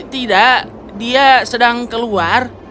tidak dia sedang keluar